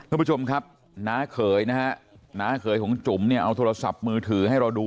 คุณผู้ชมครับหนาเขยของจุ๋มเอาโทรศัพท์มือถือให้เราดู